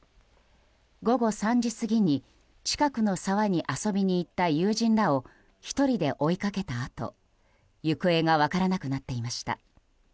午後３時過ぎに近くの沢に遊びに行った友人らを１人で追いかけたあと、行方が分からなくなっていました。